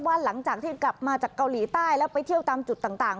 หลังจากที่กลับมาจากเกาหลีใต้แล้วไปเที่ยวตามจุดต่าง